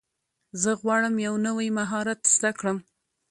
زه غواړم یو نوی مهارت زده کړم.